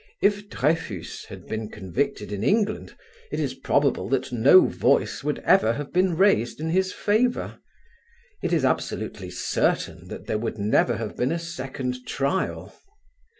If Dreyfus had been convicted in England, it is probable that no voice would ever have been raised in his favour; it is absolutely certain that there would never have been a second trial.